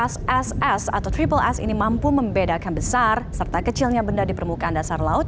sss atau triple s ini mampu membedakan besar serta kecilnya benda di permukaan dasar laut